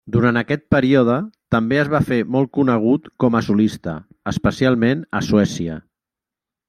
Durant aquest període, també es va fer molt conegut com a solista, especialment a Suècia.